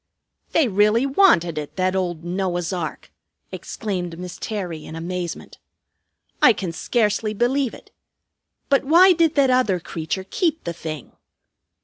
"They really wanted it, that old Noah's ark!" exclaimed Miss Terry in amazement. "I can scarcely believe it. But why did that other creature keep the thing?